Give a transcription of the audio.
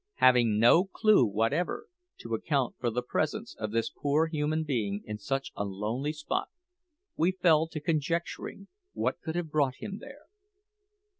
Having no clue whatever to account for the presence of this poor human being in such a lonely spot, we fell to conjecturing what could have brought him there.